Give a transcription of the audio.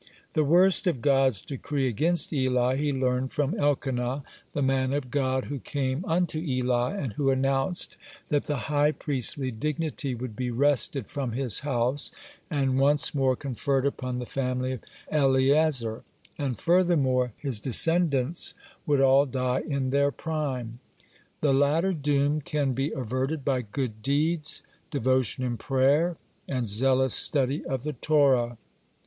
The worst of God's decree against Eli he learned from Elkanah, (28) the man of God who came unto Eli, and who announced that the high priestly dignity would be wrested from his house, and once more conferred upon the family of Eleazar, and, furthermore, his descendant would all die in their prime. The latter doom can be averted by good deeds, devotion in prayer, and zealous study of the Torah.